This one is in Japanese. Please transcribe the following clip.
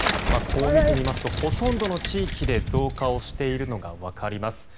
こう見てみますとほとんどの地域で増加しているのが分かります。